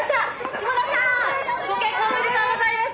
志茂田さんご結婚おめでとうございます」